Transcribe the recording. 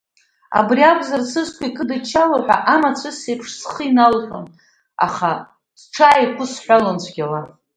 Абри иакәзар сызқәа икыдыччало ҳәа, амацәыс еиԥш схы иналҟьон, аха сҽааиқәысҳәалон цәгьала.